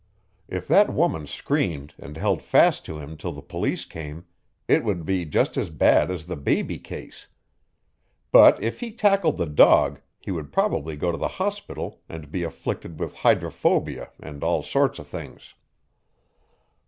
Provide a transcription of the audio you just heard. If that woman screamed and held fast to him till the police came it would be just as bad as the baby case. But if he tackled the dog he would probably go to the hospital and be afflicted with hydrophobia and all sorts of things.